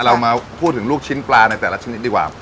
เรามาพูดถึงลูกชิ้นปลาในแต่ละชนิดดีกว่า